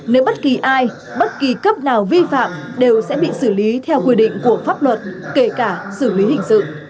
nếu bất kỳ ai bất kỳ cấp nào vi phạm đều sẽ bị xử lý theo quy định của pháp luật kể cả xử lý hình sự